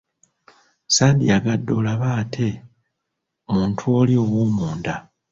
Sandiyagadde olabe ate muntu oli ow'omunda.